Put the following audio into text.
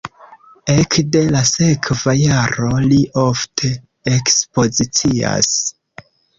Ekde la sekva jaro li ofte ekspozicias.